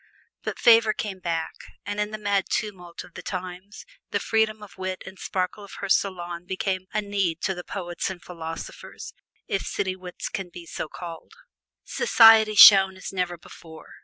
But favor came back, and in the mad tumult of the times the freedom of wit and sparkle of her salon became a need to the poets and philosophers, if city wits can be so called. Society shone as never before.